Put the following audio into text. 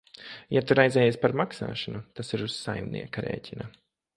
Ja tu raizējies par maksāšanu, tas ir uz saimnieka rēķina.